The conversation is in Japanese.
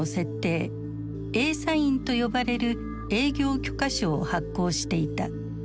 「Ａサイン」と呼ばれる営業許可証を発行していた。